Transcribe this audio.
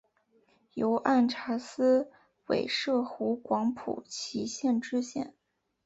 由按察司委摄湖广蒲圻县知县。